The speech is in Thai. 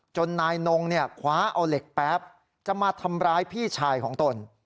นายนงเนี่ยคว้าเอาเหล็กแป๊บจะมาทำร้ายพี่ชายของตน